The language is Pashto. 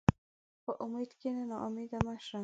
په امید کښېنه، ناامیده مه شه.